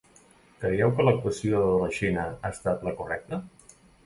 Creieu que l’actuació de la Xina ha estat la correcta?